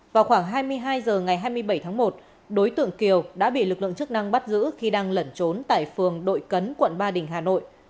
vào khoảng hai mươi hai h ngày hai mươi bảy tháng một đối tượng kiều đã bị lực lượng chức năng bắt giữ khi đang lẩn trốn tại phường đội cấn quận ba đình hà nội